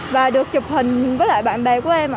và được chụp hình với lại bạn bè